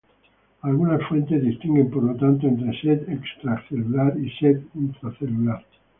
Algunas fuentes distinguen por lo tanto entre "sed extracelular" y "sed intracelular".